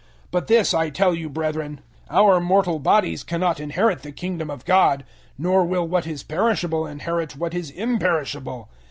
015:050 But this I tell you, brethren: our mortal bodies cannot inherit the Kingdom of God, nor will what is perishable inherit what is imperishable.